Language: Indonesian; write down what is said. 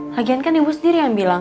lagian kan ibu sendiri yang bilang